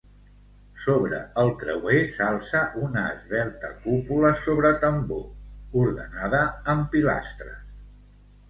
Sobre el creuer s’alça una esvelta cúpula sobre tambor, ordenada amb pilastres.